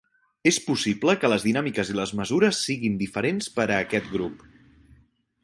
És possible que les dinàmiques i les mesures siguin diferents per a aquest grup.